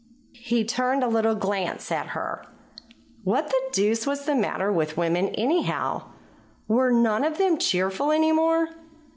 He turned a little glance at her. What the deuce was the matter with women, anyhow? Were none of them cheerful any more?